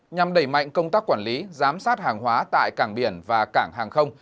nhằm đẩy mạnh công tác quản lý giám sát hàng hóa tại cảng biển và cảng hàng không